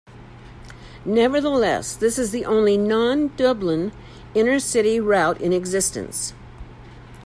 Nevertheless, this is the only non-Dublin InterCity route in existence.